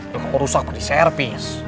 ya kok rusak tadi servis